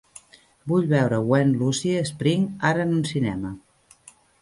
Vull veure Wenn Lucy springt ara en un cinema.